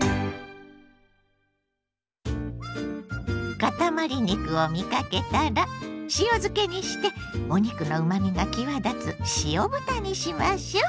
かたまり肉を見かけたら塩漬けにしてお肉のうまみが際立つ塩豚にしましょ。